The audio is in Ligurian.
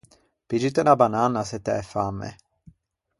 Piggite unna bananna se t’æ famme.